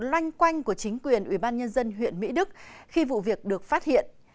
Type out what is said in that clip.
nó là một loanh quanh của chính quyền ủy ban nhân dân huyện mỹ đức khi vụ việc được phát hiện